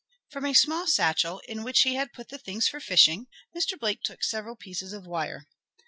From a small satchel, in which he had put the things for fishing, Mr. Blake took several pieces of wire.